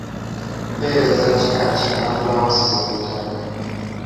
Mpeereza za kika ki abantu ba wansi ze beetaaga?